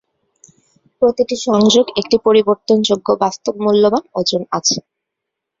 প্রতিটি সংযোগ একটি পরিবর্তনযোগ্য বাস্তব-মূল্যবান ওজন আছে।